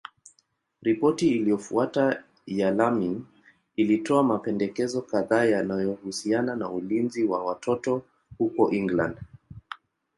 Ripoti iliyofuata ya Laming ilitoa mapendekezo kadhaa yanayohusiana na ulinzi wa watoto huko England.